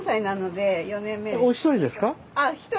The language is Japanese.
お一人ですか？